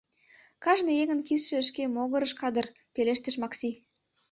— Кажне еҥын кидше шке могырыш кадыр, — пелештыш Макси.